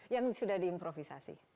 yang sudah diimprovisasi